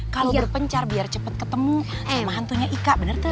kalau berpencar biar cepat ketemu sama hantunya ika benar tuh